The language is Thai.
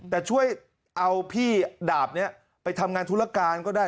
แต่ช่วยเอาพี่ดาบนี้ไปทำงานธุรการก็ได้